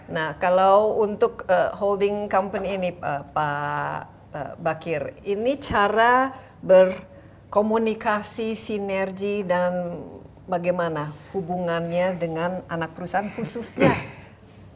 nah kalau untuk holding company ini pak bakir ini cara berkomunikasi sinergi dan bagaimana hubungannya dengan anak perusahaan khususnya